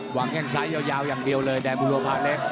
แข้งซ้ายยาวอย่างเดียวเลยแดงบุรพาเล็ก